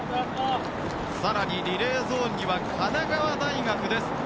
更にリレーゾーンには神奈川大学です。